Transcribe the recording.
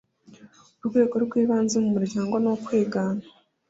urwego rw ibanze mu muryango ni ukwigana